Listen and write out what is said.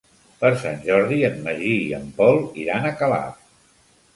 Per Sant Jordi en Magí i en Pol iran a Calaf.